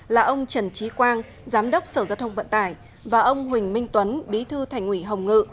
là ông trần trí quang giám đốc sở giao thông vận tải và ông huỳnh minh tuấn bí thư thành ủy hồng ngự